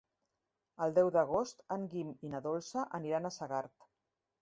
El deu d'agost en Guim i na Dolça aniran a Segart.